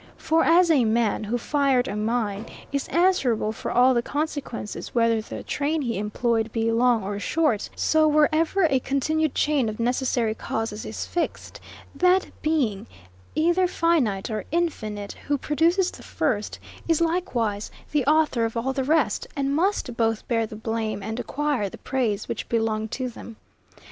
For as a man, who fired a mine, is answerable for all the consequences whether the train he employed be long or short; so wherever a continued chain of necessary causes is fixed, that Being, either finite or infinite, who produces the first, is likewise the author of all the rest, and must both bear the blame and acquire the praise which belong to them.